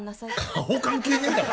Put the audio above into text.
顔関係ねえだろ